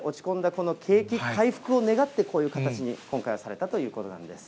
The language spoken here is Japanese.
この景気回復を願って、こういう形に、今回はされたということなんです。